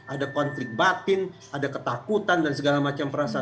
ada konflik batin ada ketakutan dan segala macam perasaan